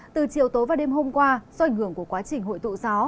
từ chiều tối và đêm hôm qua do ảnh hưởng của quá trình hội tụ gió